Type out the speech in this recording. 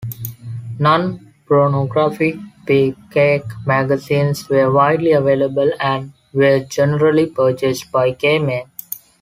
Non-pornographic "beefcake magazines" were widely available, and were generally purchased by gay men.